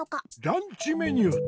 ランチメニューと。